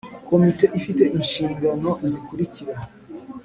Komite ifite inshingano zikurikira